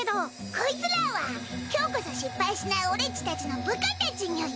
コイツらは今日こそ失敗しない俺っちたちの部下たちにゅい。